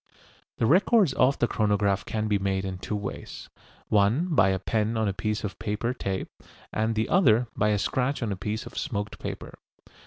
The records of the chronograph can be made in two ways: one by a pen on a piece of paper tape, and the other by a scratch on a piece of smoked paper.